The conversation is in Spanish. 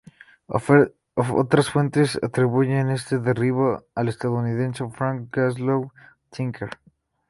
Otras fuentes atribuyen este derribo al estadounidense Frank Glasgow Tinker.